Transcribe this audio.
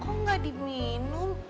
kok gak diminum